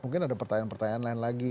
mungkin ada pertanyaan pertanyaan lain lagi